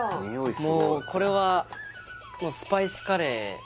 すごいこれはスパイスカレー